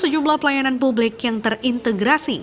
sejumlah pelayanan publik yang terintegrasi